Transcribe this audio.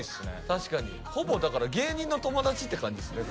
確かにほぼだから芸人の友達って感じですね